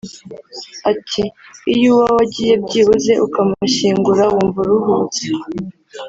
Ati “Iyo uwawe agiye byibuze ukamushyingura wumva uruhutse